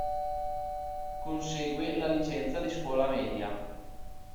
Consegue la licenza di scuola media.